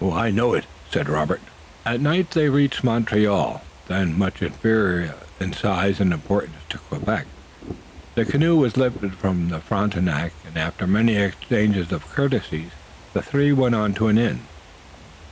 "I know it," said Robert. At night they reached Montreal, then much inferior in size and importance to Quebec, the canoe was lifted from the Frontenac, and after many exchanges of courtesies, the three went to an inn.